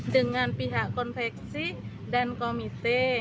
dengan pihak konveksi dan komite